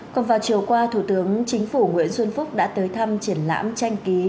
còn vào chiều qua thủ tướng chính phủ nguyễn xuân phúc đã tới thăm triển lãm tranh ký